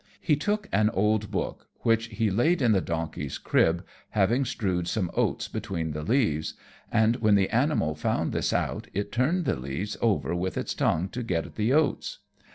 He took an old book, which he laid in the donkey's crib, having strewed some oats between the leaves, and when the animal found this out, it turned the leaves over with its tongue to get at the oats.